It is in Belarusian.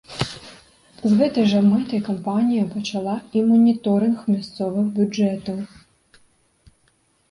З гэтай жа мэтай кампанія пачала і маніторынг мясцовых бюджэтаў.